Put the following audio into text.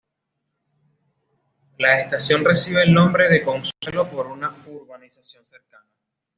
La estación recibe el nombre de Consuelo por una urbanización cercana.